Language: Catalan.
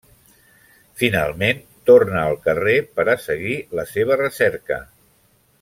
Finalment torna al carrer per a seguir la seva recerca.